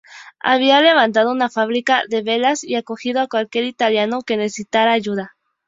Había levantado una fábrica de velas y acogía a cualquier italiano que necesitara ayuda.